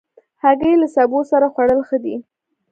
هګۍ له سبو سره خوړل ښه دي.